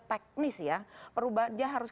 teknis ya perubahan dia harus